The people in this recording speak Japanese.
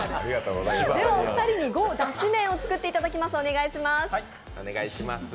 お二人に熬ｇｏｕだし麺を作っていただきます。